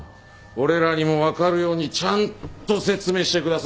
俺らにも分かるようにちゃんと説明してくださいよ。